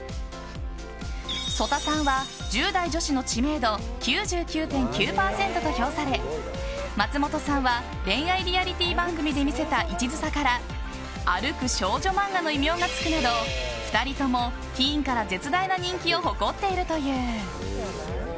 曽田さんは、１０代女子の知名度９９．９％と評され松本さんは恋愛リアリティー番組で見せた一途さから歩く少女漫画の異名がつくなど２人とも、ティーンから絶大な人気を誇っているという。